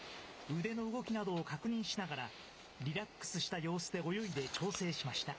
腕の動きなどを確認しながら、リラックスした様子で泳いで調整しました。